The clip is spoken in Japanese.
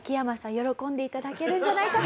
喜んで頂けるんじゃないかと。